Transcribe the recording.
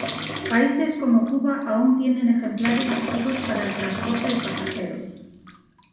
Países como Cuba aún tienen ejemplares activos para el transporte de pasajeros.